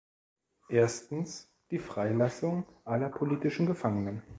Erstens, die Freilassung aller politischen Gefangenen.